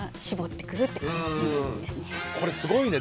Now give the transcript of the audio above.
これすごいね。